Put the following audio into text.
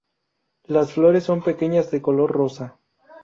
Las flores son pequeñas de color rosa.